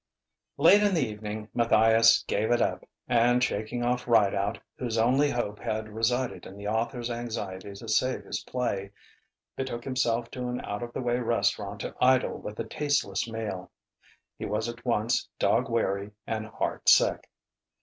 XVII Late in the evening, Matthias gave it up, and shaking off Rideout (whose only hope had resided in the author's anxiety to save his play) betook himself to an out of the way restaurant to idle with a tasteless meal. He was at once dog weary and heart sick.